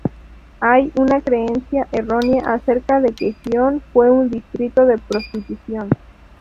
Hay una creencia errónea acerca de que Gion fue un distrito de prostitución.